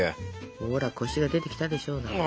ほらコシが出てきたでしょうが。